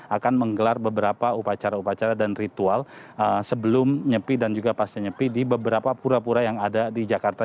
akan menggelar beberapa upacara upacara dan ritual sebelum nyepi dan juga pas nyepi di beberapa pura pura yang ada di jakarta